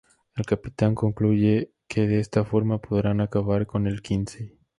El Capitán concluye que de esta forma podrán acabar con el Quincy.